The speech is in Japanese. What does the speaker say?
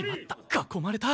かこまれた！